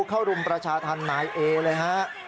กรูเข้ารุมประชาธารนายเอเลยคะ